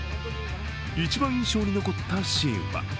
一番印象に残ったシーンは。